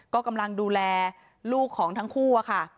ก็กำลังดูแลลูกของทั้งคู่อะค่ะ